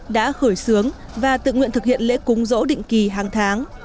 đã khởi xướng và tự nguyện thực hiện lễ cúng rỗ định kỳ hàng tháng